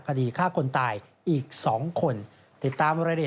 กดไฟด้วยครับปลูก